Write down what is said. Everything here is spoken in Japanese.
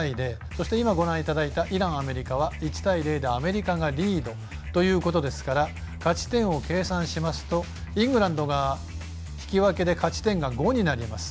そして今ご覧いただいたイラン、アメリカが１対０でアメリカがリードですから勝ち点を計算しますとイングランドが引き分けで勝ち点が５になります。